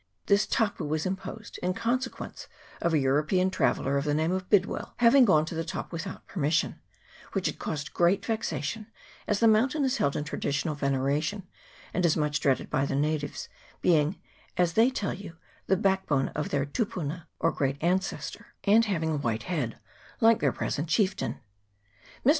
This " tapu " was imposed in consequence of a European traveller of the name of Bidwill having gone to the top without permission, which had caused great vexa tion, as the mountain is held in traditional venera tion, and is much dreaded by the natives, being, as they tell you, the " backbone of their Tupuna," or great ancestor, and having a white head, like their present chieftain. Mr.